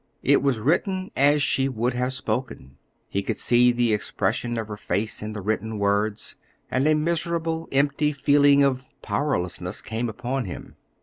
It was written as she would have spoken; he could see the expression of her face in the written words, and a miserable empty feeling of powerlessness came upon him.